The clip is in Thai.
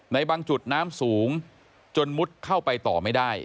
ในบางจุดน้ำสูงจนมุดเข้าไปต่อไม่ได้